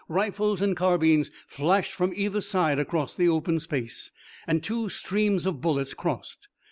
Rifles and carbines flashed from either side across the open space, and two streams of bullets crossed.